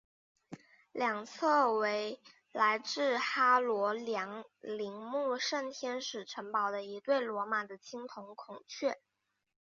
两侧为来自哈德良陵墓圣天使城堡的一对罗马的青铜孔雀。